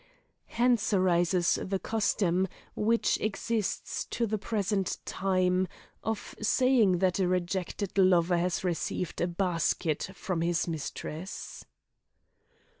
Hence arises the custom, which exists to the present time, of saying that a rejected lover has received a basket from his mistress.